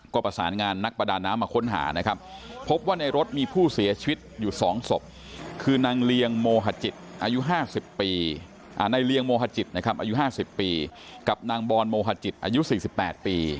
ก็ประสานงานนักประดาน้ำมาค้นหานะครับพบว่าในรถมีผู้เสียชีวิตอยู่๒ศพคือนางเรียงโมฮจิตอายุ๕๐ปีกับนางบอนโมฮจิตอายุ๔๘ปี